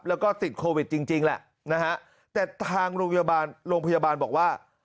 แล้วก็ติดโควิดจริงแล้วนะฮะแต่ทางโรงพยาบาลบอกว่า